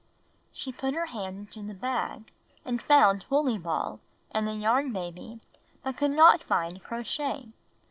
She put her hand into the bag and found Wooley Ball and the Yarn Baby, but could not find Crow Shay.